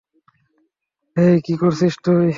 হেই, কি করছিস তুই?